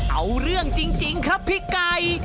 เอาเรื่องจริงครับพี่ไก่